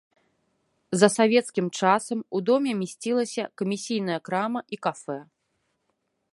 За савецкім часам у доме месцілася камісійная крама і кафэ.